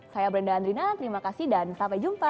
saya brenda andrina terima kasih dan sampai jumpa